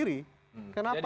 menggunakan sentraga kumdu